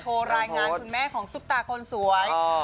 รายงานคุณแม่ของซุปตาคนสวย